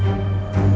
terima kasih mas